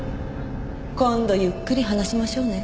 今度ゆっくり話しましょうね。